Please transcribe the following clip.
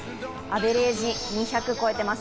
アベレージ２００を超えてます。